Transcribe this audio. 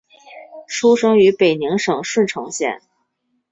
出生于北宁省顺成县。